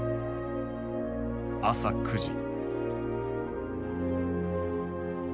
朝９時。